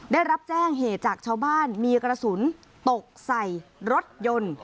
ได้รับแจ้งเหตุจากชาวบ้านมีกระสุนตกใส่รถยนต์